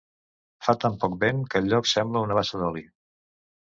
Fa tan poc vent que el lloc sembla una bassa d'oli.